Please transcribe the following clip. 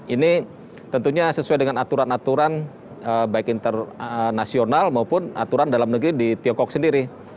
ini tentunya sesuai dengan aturan aturan baik internasional maupun aturan dalam negeri di tiongkok sendiri